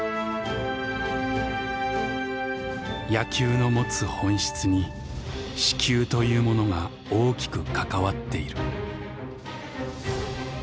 「野球の持つ本質に四球というものが大きくかかわっている」。